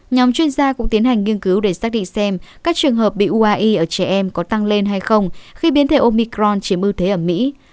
nhóm chuyên gia cũng tiến hành nghiên cứu để xác định xem các trường hợp bị uai ở trẻ em có tăng lên hay không khi biến thể omicron chiếm ưu thế ở mỹ